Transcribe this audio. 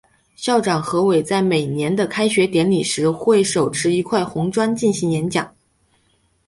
校长何伟在每年的开学典礼时会手持一块红砖进行演讲。